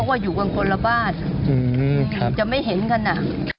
ก็อยู่กันคนละบ้านจะไม่เห็นกันอ่ะ